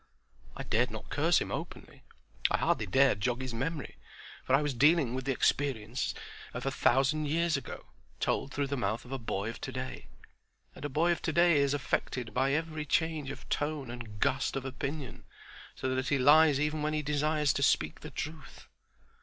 I dared not curse him openly; I hardly dared jog his memory, for I was dealing with the experiences of a thousand years ago, told through the mouth of a boy of today; and a boy of today is affected by every change of tone and gust of opinion, so that he lies even when he desires to speak the truth.